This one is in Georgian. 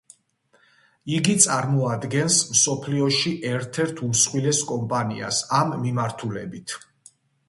იგი წარმოადგენს მსოფლიოში ერთ-ერთ უმსხვილეს კომპანიას ამ მიმართულებით.